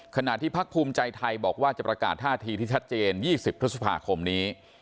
ขณะที่พักภูมิใจไทยบอกว่าจะประกาศท่าทีที่ชัดเจน๒๐พฤษภาคมนี้